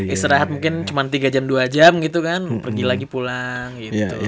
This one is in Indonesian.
istirahat mungkin cuma tiga jam dua jam gitu kan pergi lagi pulang gitu